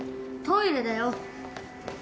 トイレだよ。